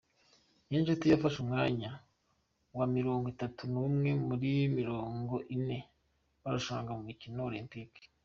Niyonshuti yafashe umwanya wa Mirongo Itatu Numwe muri Mirongo Ine barushanwaga mu mikino Olempike